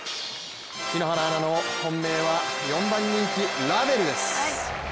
篠原アナの本命は４番人気、ラヴェルです。